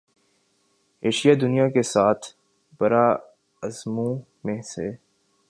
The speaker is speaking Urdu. ایشیا دنیا کے سات براعظموں میں سے